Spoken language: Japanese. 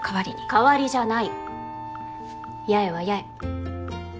代わりじゃない八重は八重。